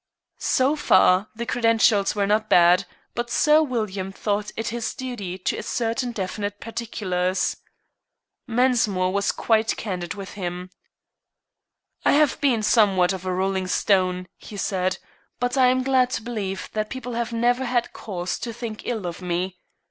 So far, the credentials were not bad; but Sir William thought it his duty to ascertain definite particulars. Mensmore was quite candid with him. "I have been somewhat of a rolling stone," he said, "but I am glad to believe that people have never had cause to think ill of me.